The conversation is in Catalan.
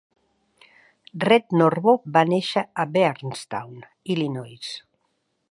Red Norvo va néixer a Beardstown, Illinois.